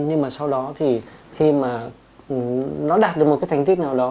nhưng mà sau đó thì khi mà nó đạt được một cái thành tích nào đó